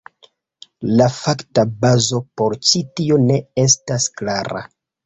La fakta bazo por ĉi tio ne estas klara.